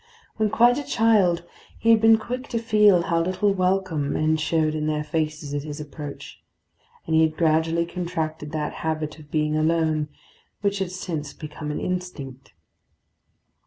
When quite a child, he had been quick to feel how little welcome men showed in their faces at his approach, and he had gradually contracted that habit of being alone which had since become an instinct.